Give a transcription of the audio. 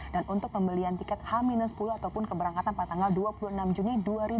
untuk pembelian tiket h sepuluh ataupun keberangkatan pada tanggal dua puluh enam juni dua ribu dua puluh